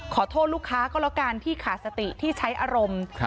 ขอโทษลูกค้าก็แล้วกันที่ขาดสติที่ใช้อารมณ์